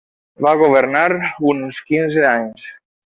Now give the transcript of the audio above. Va governar uns quinze anys.